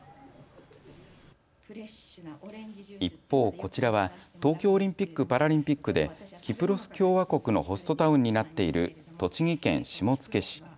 一方、こちらは東京オリンピック・パラリンピックでキプロス共和国のホストタウンになっている栃木県下野市。